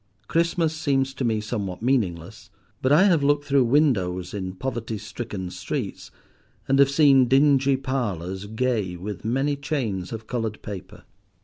Christmas seems to me somewhat meaningless; but I have looked through windows in poverty stricken streets, and have seen dingy parlours gay with many chains of coloured paper.